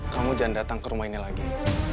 kamu jangan datang ke rumah ini lagi